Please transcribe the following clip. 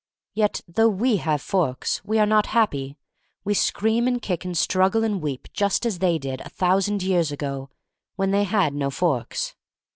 Yet, though we have forks, we are not happy. We scream and kick and struggle and weep just as they did a thousand years ago — when they had no forks.